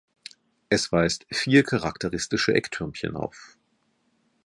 Es weist vier charakteristische Ecktürmchen auf.